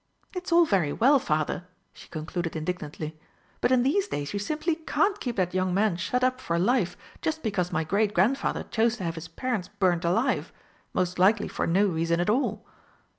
"It's all very well, father," she concluded indignantly, "but in these days you simply can't keep that young man shut up for life just because my great grandfather chose to have his parents burnt alive most likely for no reason at all."